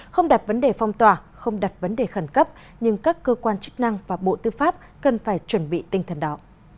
không đặt vấn đề phong tỏa không đặt vấn đề khẩn cấp nhưng các cơ quan chức năng và bộ tư pháp cần phải chuẩn bị tinh thần đó